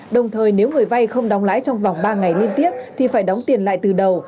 đồng thời nếu người vay không đóng lãi trong vòng ba ngày liên tiếp thì phải đóng tiền lại từ đầu